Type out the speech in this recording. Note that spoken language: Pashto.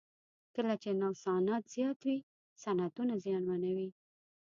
کله چې نوسانات زیات وي صنعتونه زیانمنوي.